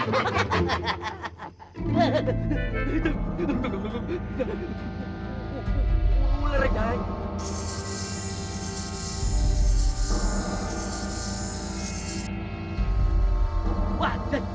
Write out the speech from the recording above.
lihatlah dia sudah bergerak ke sana